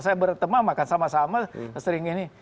saya bertema makan sama sama sering ini